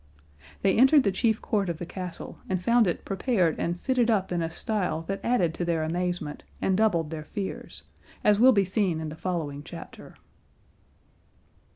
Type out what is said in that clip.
They entered the chief court of the castle and found it prepared and fitted up in a style that added to their amazement and doubled their fears, as will be seen in the following chapter.